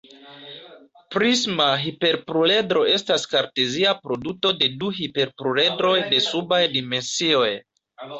Prisma hiperpluredro estas kartezia produto de du hiperpluredroj de subaj dimensioj.